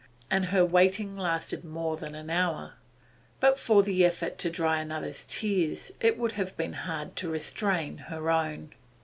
And her waiting lasted more than an hour. But for the effort to dry another's tears it would have been hard to restrain her own.